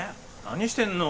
何してんの？